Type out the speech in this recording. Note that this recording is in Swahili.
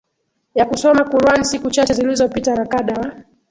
ya kusoma Quran Siku chache zilizopita makada wa